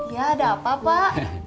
ya ada apa pak